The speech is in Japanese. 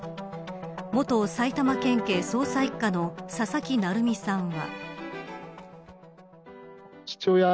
元埼玉県警捜査一課の佐々木成三さんは。